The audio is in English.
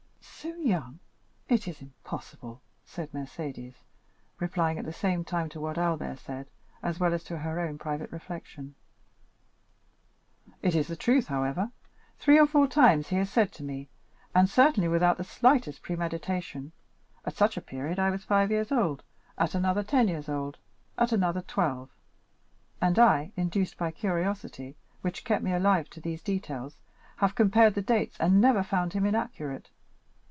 "So young,—it is impossible," said Mercédès, replying at the same time to what Albert said as well as to her own private reflection. "It is the truth, however. Three or four times he has said to me, and certainly without the slightest premeditation, 'at such a period I was five years old, at another ten years old, at another twelve,' and I, induced by curiosity, which kept me alive to these details, have compared the dates, and never found him inaccurate.